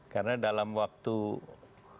karena dalam waktu pelari keempat